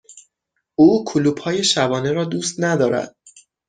او کلوپ های شبانه را دوست ندارد.